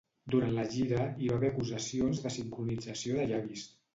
Durant la gira, hi va haver acusacions de sincronització de llavis.